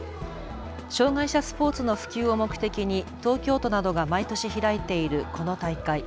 障害者スポーツの普及を目的に東京都などが毎年開いているこの大会。